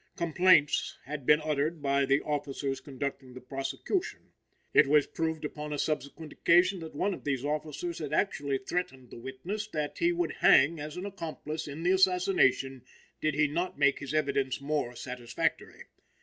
Complaints had been uttered by the officers conducting the prosecution. It was proved upon a subsequent occasion that one of these officers had actually threatened the witness that he would hang as an accomplice in the assassination did he not make his evidence more satisfactory.